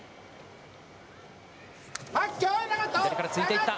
左から突いていった。